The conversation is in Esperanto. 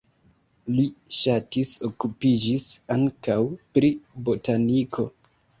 Li ŝatis okupiĝis ankaŭ pri botaniko.